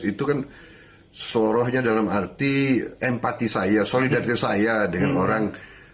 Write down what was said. itu kan sorohnya dalam arti empati saya solidaritas saya dengan orang